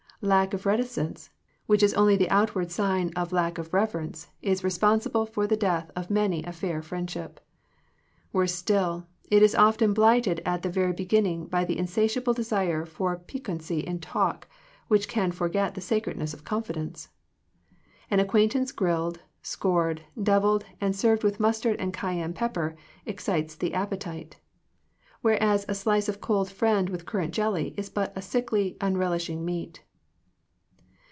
Lack of reticence, which is only the out ward sign of lack of reverence, is respon sible for the death of many a fair friend ship. Worse still, it is often blighted at the very beginning by the insatiable de sire for piquancy in talk, which can for get the sacredness of confidence. An acquaintance grilled, scored, devilled, and served with mustard and cayenne pep per, excites the appetite; whereas a slice of cold friend with currant jelly is but a sickly, unrelishing meat."